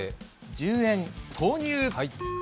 １０円、投入！